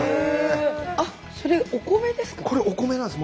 あそれお米ですか？